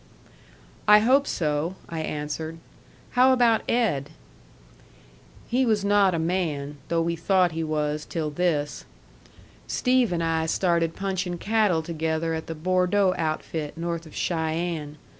"I hope so," I answered. "How about Ed?" "He was not a man, though we thought he was till this. Steve and I started punching cattle together at the Bordeaux outfit, north of Cheyenne.